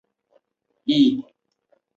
佐洛韦格。